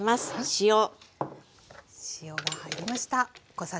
塩が入りました。